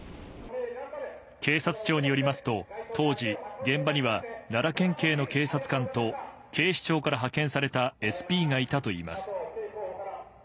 警察庁によりますと、当時、現場には奈良県警の警察官と警視庁から派遣されたＳＰがいたといいます。